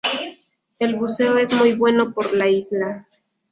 El buceo es muy bueno por la isla.